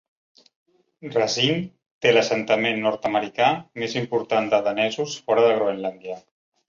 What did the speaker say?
Racine té l'assentament nord-americà més important de danesos fora de Groenlàndia.